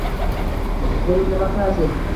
Ko`rib nima qilasiz